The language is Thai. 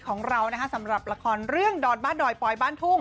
ของเรานะคะสำหรับละครเรื่องดอนบ้านดอยปลอยบ้านทุ่ง